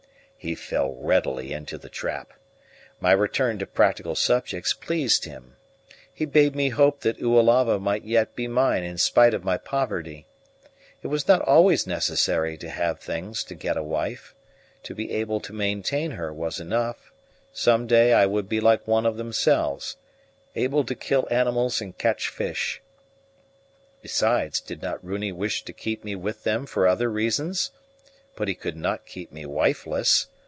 He fell readily into the trap. My return to practical subjects pleased him. He bade me hope that Oalava might yet be mine in spite of my poverty. It was not always necessary to have things to get a wife: to be able to maintain her was enough; some day I would be like one of themselves, able to kill animals and catch fish. Besides, did not Runi wish to keep me with them for other reasons? But he could not keep me wifeless.